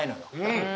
うん。